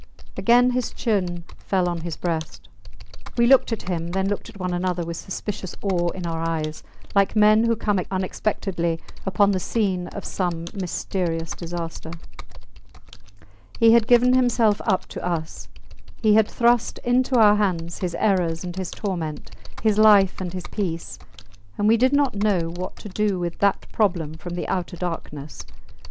Again his chin fell on his breast. We looked at him, then looked at one another with suspicious awe in our eyes, like men who come unexpectedly upon the scene of some mysterious disaster. He had given himself up to us; he had thrust into our hands his errors and his torment, his life and his peace; and we did not know what to do with that problem from the outer darkness.